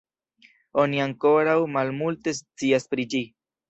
Oni ankoraŭ malmulte scias pri ĝi.